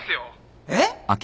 えっ？